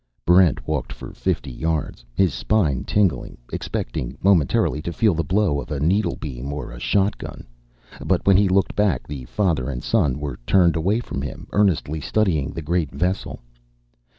Barrent walked for fifty yards, his spine tingling, expecting momentarily to feel the blow of a needlebeam or a shotgun. But when he looked back, the father and son were turned away from him, earnestly studying the great vessel.